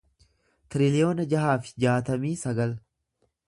tiriliyoona jaha fi jaatamii sagal